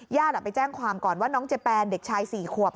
ไปแจ้งความก่อนว่าน้องเจแปนเด็กชาย๔ขวบ